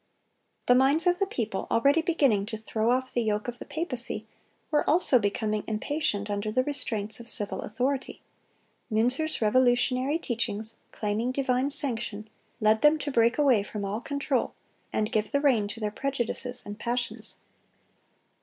The minds of the people, already beginning to throw off the yoke of the papacy, were also becoming impatient under the restraints of civil authority. Münzer's revolutionary teachings, claiming divine sanction, led them to break away from all control, and give the rein to their prejudices and passions.